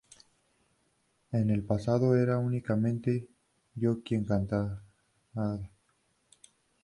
En el pasado, era únicamente yo quien cantaba".